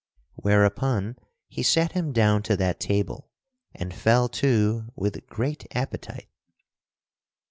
Whereupon he sat him down to that table and fell to with great appetite.